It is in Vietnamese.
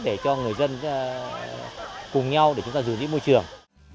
để cho người dân cùng nhau để chúng ta giữ lý môi trường